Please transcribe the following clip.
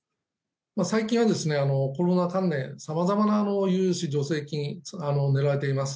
最近はコロナ関連様々な融資、助成金が狙われています。